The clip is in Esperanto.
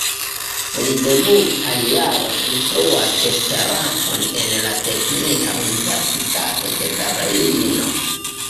Li de multaj jaroj instruas Esperanton en la Teknika Universitato de Berlino.